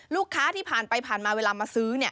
ลูกค้าที่ผ่านไปผ่านมาเวลามาซื้อ